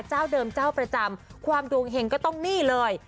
เจ้าเดิมเจ้าประจำความดวงเห็งก็ต้องนี่เลย